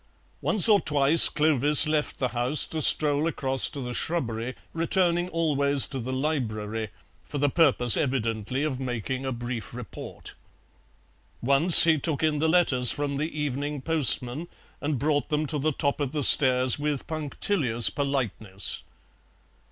Once or twice Clovis left the house to stroll across to the shrubbery, returning always to the library, for the purpose evidently of making a brief report. Once he took in the letters from the evening postman, and brought them to the top of the stairs with punctilious politeness.